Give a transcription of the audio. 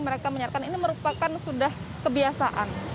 mereka menyatakan ini merupakan sudah kebiasaan